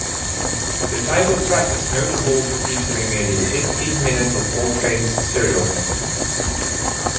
The title track is notable for featuring nearly fifteen minutes of Coltrane's soloing.